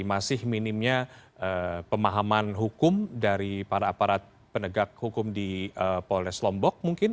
masih minimnya pemahaman hukum dari para aparat penegak hukum di polres lombok mungkin